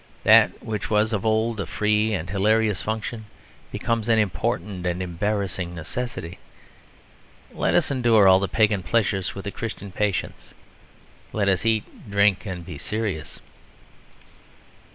That which was of old a free and hilarious function becomes an important and embarrassing necessity. Let us endure all the pagan pleasures with a Christian patience. Let us eat, drink, and be serious.